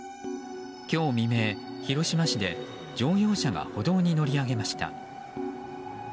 今日未明、広島市で乗用車が歩道に乗り上げました。